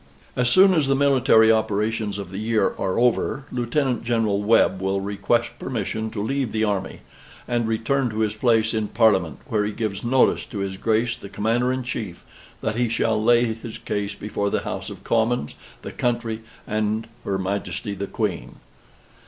"As soon as the military operations of the year are over, Lieutenant General Webb will request permission to leave the army, and return to his place in Parliament, where he gives notice to his Grace the Commander in Chief, that he shall lay his case before the House of Commons, the country, and her Majesty the Queen.